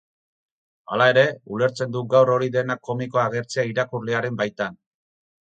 Hala ere, ulertzen dut gaur hori dena komikoa agertzea irakurlearen baitan.